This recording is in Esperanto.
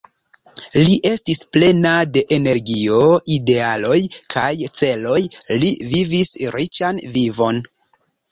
Li estis plena de energio, idealoj kaj celoj, li vivis riĉan vivon.